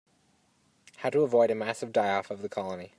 How to avoid a massive die-off of the colony.